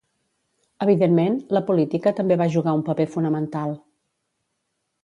Evidentment, la política també va jugar un paper fonamental.